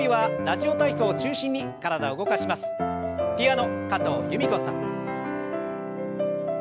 ピアノ加藤由美子さん。